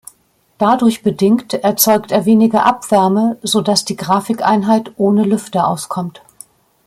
Dadurch bedingt, erzeugt er weniger Abwärme, so dass die Grafikeinheit ohne Lüfter auskommt.